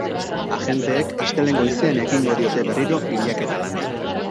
Agenteek astelehen goizean ekingo diote berriro bilaketa lanei.